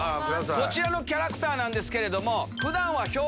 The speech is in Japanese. こちらのキャラクターですけど。